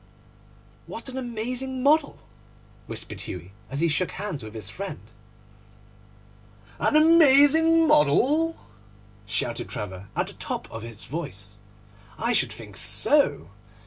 'What an amazing model!' whispered Hughie, as he shook hands with his friend. 'An amazing model?' shouted Trevor at the top of his voice; 'I should think so!